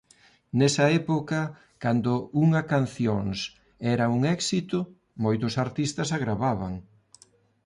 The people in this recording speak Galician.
Nesa época cando unha cancións era un éxito moitos artistas a gravaban.